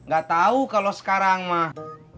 gak tau kalo sekarang mah